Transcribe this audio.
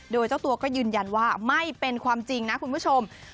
โดยเจ้าตัวก็ยืนยันว่าไม่เป็นความจริงนะคุณผู้ชม